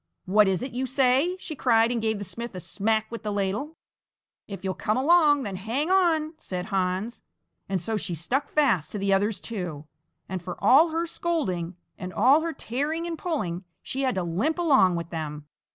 "What is it you say!" she cried, and gave the smith a smack with the ladle. "If you'll come along, then hang on!" said Hans, and so she stuck fast to the others too, and for all her scolding and all her tearing and pulling, she had to limp along with them.